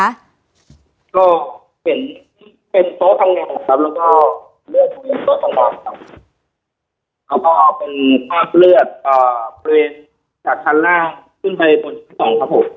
ก็เห็นเป็นโต๊ะทำงานครับแล้วก็เลือกเป็นโต๊ะทำงานครับ